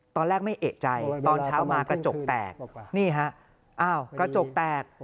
ตอนแรกไม่เอกใจตอนเช้ามากระจกแตกนี่ฮะอ้าวกระจกแตก